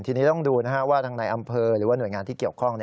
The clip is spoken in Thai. ทีนี้ต้องดูว่าทางในอำเภอหรือว่าหน่วยงานที่เกี่ยวข้อง